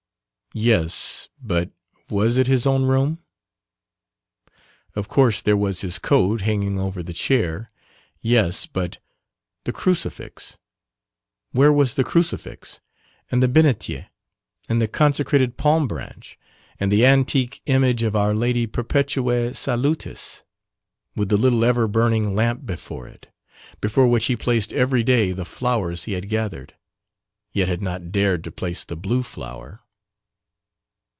Yes, but was it his own room? Of course there was his coat hanging over the chair yes but the Crucifix where was the Crucifix and the benetier and the consecrated palm branch and the antique image of Our Lady perpetuae salutis, with the little ever burning lamp before it, before which he placed every day the flowers he had gathered, yet had not dared to place the blue flower.